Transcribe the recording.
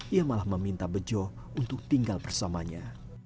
ia malah meminta bejo untuk tinggal bersamanya